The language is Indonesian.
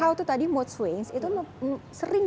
itu tadi mood swings itu sering